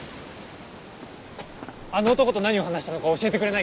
あの男と何を話したのか教えてくれないか？